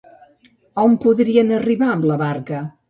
A on podrien arribar amb la barca?